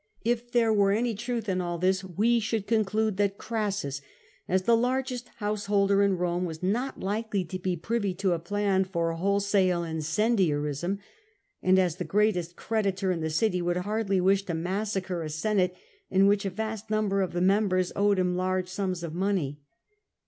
If there were any truth in all this, we should conclude that Crassus, as the largest householder in Rome, was not likely to be privy to a plan for whole sale incendiarism, and, as the greatest creditor in the city, would hardly wish to massacre a Senate in which a vast number of the members owed him large sums of money.